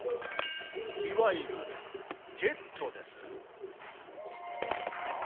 いわゆる「ジェット」です。